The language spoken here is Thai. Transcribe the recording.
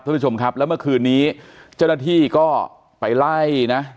ท่านผู้ชมครับแล้วเมื่อคืนนี้เจ้าหน้าที่ก็ไปไล่นะ